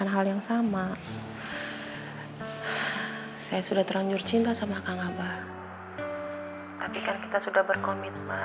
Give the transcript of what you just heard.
hal yang sama saya sudah terlanjur cinta sama kang abah tapi kan kita sudah berkomitmen